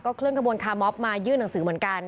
เคลื่อกระบวนคาร์มอบมายื่นหนังสือเหมือนกัน